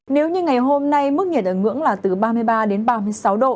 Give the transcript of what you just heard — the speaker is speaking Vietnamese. nếu như ngày hôm nay mức nhiệt ở ngưỡng là từ ba mươi ba đến ba mươi sáu độ